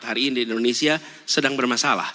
hari ini indonesia sedang bermasalah